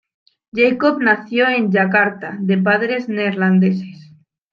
Jacob nació en Yakarta de padres neerlandeses.